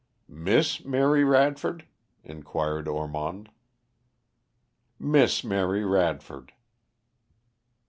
"Miss Mary Radford?" inquired Ormond. "Miss Mary Radford."